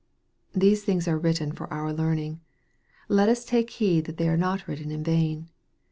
These things are written for our learning. Let us take heed that they are not written in vain.